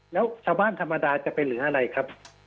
แล้วชาวบ้านธรรมดาจะเป็นหรืออะไรครับ